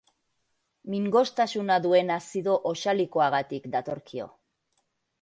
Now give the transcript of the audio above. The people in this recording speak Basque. Mingostasuna duen azido oxalikoagatik datorkio.